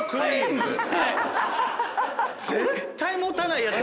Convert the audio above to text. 絶対持たないやつ